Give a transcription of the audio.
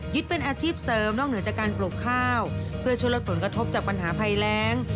เป็นอาชีพเสริมนอกเหนือจากการปลูกข้าวเพื่อช่วยลดผลกระทบจากปัญหาภัยแรง